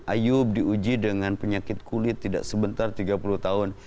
ayub diuji dengan penyakit kulit tidak sebentar tiga puluh tahun